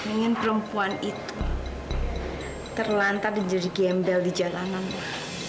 ingin perempuan itu terlantar jadi gembel di jalanan lah